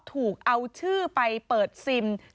ถูกเอาชื่อไปเปิดซิม